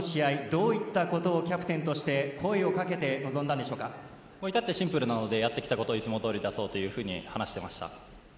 どういったことをキャプテンとして声をかけていたってシンプルなのでやってきたことを、いつもどおり出そうと話していました。